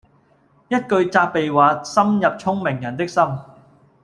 一句責備話深入聰明人的心